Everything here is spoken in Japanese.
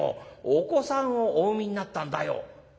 お子さんをお産みになったんだよ」。